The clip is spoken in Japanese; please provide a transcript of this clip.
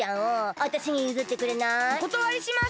おことわりします！